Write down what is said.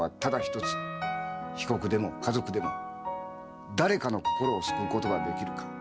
被告でも家族でも誰かの心を救うことができるか。